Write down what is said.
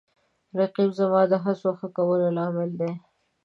رقیب زما د هڅو د ښه کولو لامل دی